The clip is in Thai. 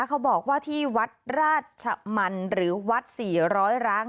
เขาบอกว่าที่วัดราชมันหรือวัด๔๐๐ร้าง